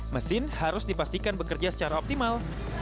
mesin harus dipastikan bekerja secara optimal